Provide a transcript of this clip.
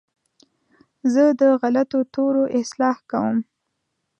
زه د غلطو تورو اصلاح کوم.